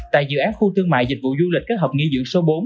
tại dự án khu thương mại dịch vụ du lịch các hợp nghị dưỡng số bốn